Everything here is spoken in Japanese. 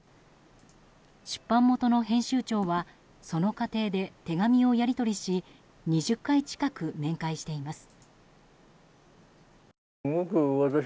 出版元の編集長はその過程で手紙をやり取りし２０回近く面会しています。